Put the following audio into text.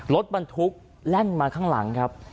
รถบรรทุกแล่นมาข้างหลังครับ